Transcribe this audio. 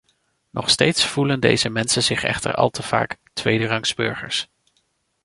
Nog steeds voelen deze mensen zich echter al te vaak tweederangsburgers.